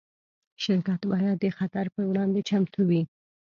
شرکت باید د خطر پر وړاندې چمتو وي.